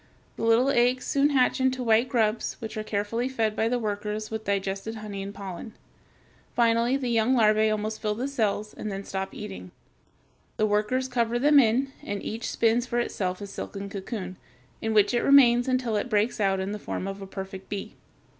The little eggs soon hatch into white grubs which are carefully fed by the workers with digested honey and pollen. Finally the young larvæ almost fill the cells and then stop eating. The workers cover them in, and each spins for itself a silken cocoon, in which it remains until it breaks out in the form of a perfect bee.